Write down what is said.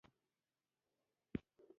د کمونېست ګوند مرکزي دفتر په امر ترسره کېده.